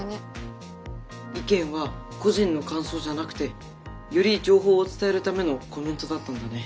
意見は個人の感想じゃなくてより情報を伝えるためのコメントだったんだね。